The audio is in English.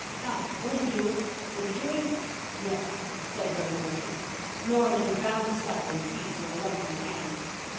Come now, will you do it? Will you do it?" "Yes," said Rosemary. Norman bounced up and seized her reluctant hand.